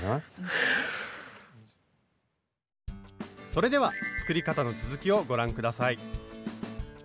それでは作り方の続きをご覧下さい。